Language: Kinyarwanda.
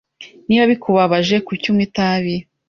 Niba bikubabaje, kuki unywa itabi?